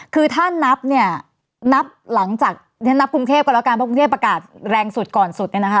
คือถ้านับหลังจากกรุงเทพก็แล้วกันเพราะกรุงเทพประกาศแรงสุดก่อนสุด